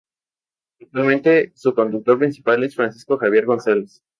Actualmente, su conductor principal es Francisco Javier González.